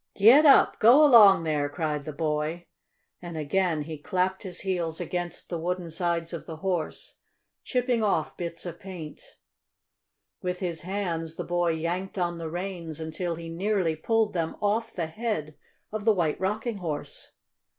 "Grid dap! Go 'long there!" cried the boy, and again he clapped his heels against the wooden sides of the Horse, chipping off bits of paint. With his hands the boy yanked on the reins until he nearly pulled them off the head of the White Rocking Horse.